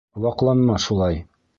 Ваҡланма шулай!